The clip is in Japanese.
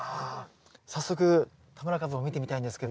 早速田村かぶを見てみたいんですけど。